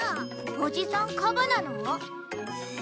おじさんカバなの？